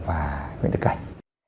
và nguyễn đức cảnh